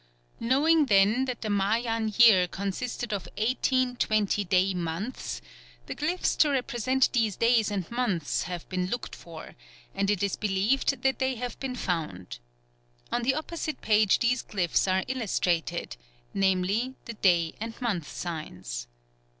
Knowing then that the Mayan year consisted of eighteen 20 day months, the glyphs to represent these days and months have been looked for, and it is believed they have been found. On the opposite page these glyphs are illustrated, namely, the day and month signs.